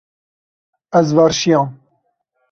Ez verşiyam.